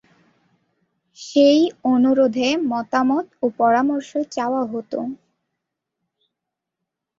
সেই অনুরোধে মতামত ও পরামর্শ চাওয়া হত।